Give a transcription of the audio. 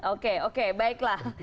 oke oke baiklah